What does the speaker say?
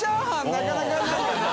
なかなかないよな。